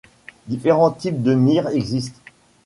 Différents types de mires existent.